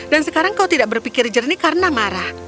dan sekarang kau tidak berpikir jernih karena marah